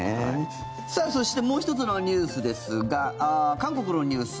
さあ、そしてもう１つのニュースですが韓国のニュース。